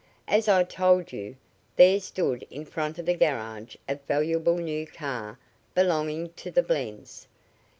As I told you, there stood in front of the garage a valuable new car belonging to the Blends.